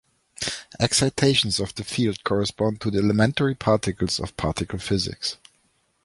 Excitations of the field correspond to the elementary particles of particle physics.